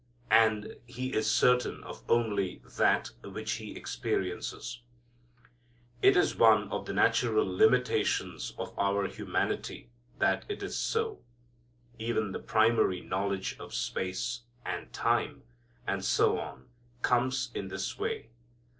And he is certain of only that which he experiences. It is one of the natural limitations of our humanity that it is so. Even the primary knowledge of space, and time, and so on comes in this way.